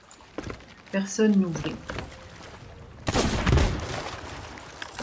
Personne n'ouvrit.